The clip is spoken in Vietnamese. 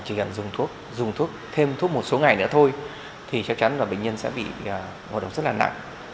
chỉ cần dùng thuốc dùng thuốc thêm thuốc một số ngày nữa thôi thì chắc chắn là bệnh nhân sẽ bị ngộ độc rất là nặng